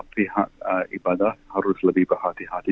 pihak ibadah harus lebih berhati hati